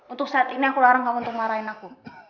untuk saat ini aku larang kamu untuk marahin aku